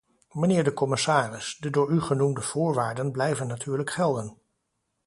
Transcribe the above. Mijnheer de commissaris, de door u genoemde voorwaarden blijven natuurlijk gelden.